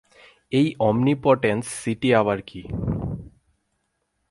এই omnipotence city আবার কী?